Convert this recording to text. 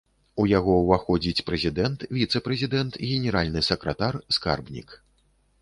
У яго ўваходзіць прэзідэнт, віцэ-прэзідэнт, генеральны сакратар, скарбнік.